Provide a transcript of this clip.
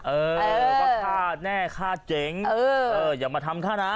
เออว่าฆ่าแน่ฆ่าเจ๋งอย่ามาทำฆ่านะ